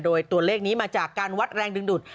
โดยตัวเลขนี้มาจากการวัดแรงดึงดูด